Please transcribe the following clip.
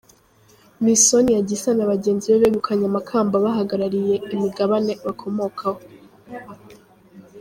Miss Sonia Gisa na bagenzi be begukanye amakamba bahagarariye imigabane bakomokaho.